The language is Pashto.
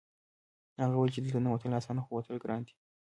هغه وویل چې دلته ننوتل اسانه خو وتل ګران دي